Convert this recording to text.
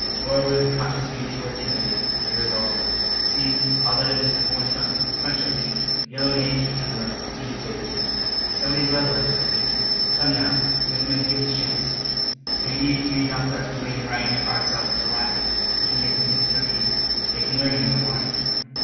Moreover the contents, be they what they may, are yours also. See! aud letters in some foreign tongue French I think. Yellow in age an' the ink faded. Somebody's love letters, I'm thinkin'. Come now, young men here's a chance. Maybe if ye're no that fameeliar in writin' yer hairts oot to the lassies, ye can get some hints frae these. They can learn ye, I warrant!"